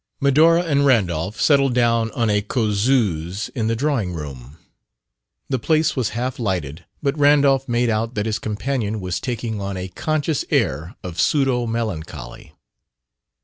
Medora and Randolph settled down on a causeuse in the drawing room. The place was half lighted, but Randolph made out that his companion was taking on a conscious air of pseudo melancholy.